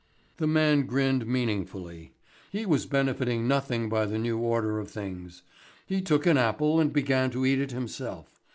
The man grinned meaningly. He was benefiting nothing by the new order of things. He took an apple and began to eat it himself.